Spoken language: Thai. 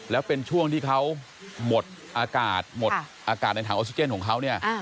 แล้วเป็นช่วงที่เขาหมดอากาศหมดอากาศในถังออกซิเจนของเขาเนี่ย